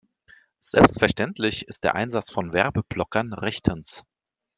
Selbstverständlich ist der Einsatz von Werbeblockern rechtens.